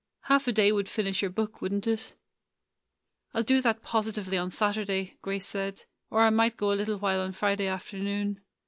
Half a day would finish your book, would n't it?" "I 'll do that positively on Saturday," Grace said; "or I might go a little while on Friday afternoon.